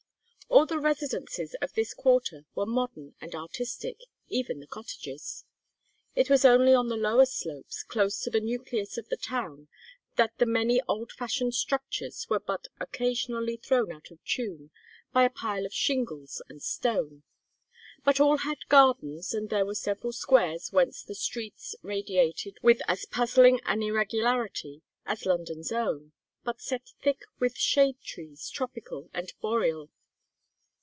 All the "residences" of this quarter were modern and "artistic," even the cottages; it was only on the lower slopes, close to the nucleus of the town, that the many old fashioned structures were but occasionally thrown out of tune by a pile of shingles and stone. But all had gardens, and there were several squares whence the streets radiated with as puzzling an irregularity as London's own, but set thick with shade trees tropical and boreal.